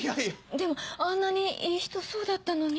でもあんなにいい人そうだったのに？